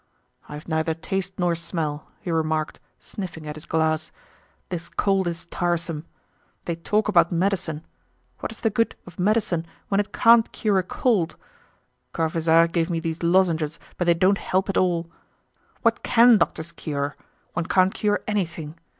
"I have neither taste nor smell," he remarked, sniffing at his glass. "This cold is tiresome. They talk about medicine—what is the good of medicine when it can't cure a cold! Corvisart gave me these lozenges but they don't help at all. What can doctors cure? One can't cure anything.